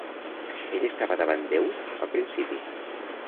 Ell estava davant Déu al principi.